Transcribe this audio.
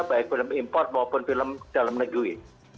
baik film import maupun film dalam negeri